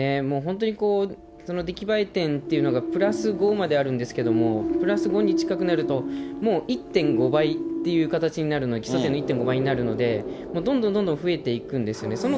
もう本当にその出来栄え点というのがプラス５まであるんですけれども、プラス５に近くなると、もう１．５倍という形になるので、基礎点の１．５倍になるので、どんどんどんどん増えていくんですよね。